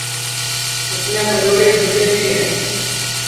اُس میں ٻڈؔوڑے جھولے بھی ہے